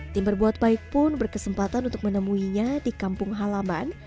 tim berbuat baik pun berkesempatan untuk menemuinya di kampung halaman